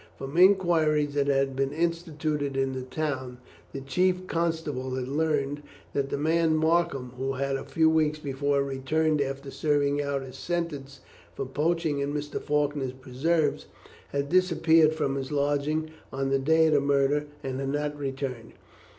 From inquiries that had been instituted in the town, the chief constable had learned that the man Markham, who had a few weeks before returned after serving out his sentence for poaching in Mr. Faulkner's preserves, had disappeared from his lodgings on the day of the murder and had not returned.